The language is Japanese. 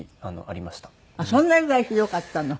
あっそんなぐらいひどかったの。